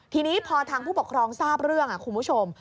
ทีนี้พอทางผู้ปกครองทราบเรื่องคุณผู้ชม